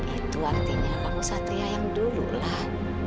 itu artinya kamu satria yang dulu lah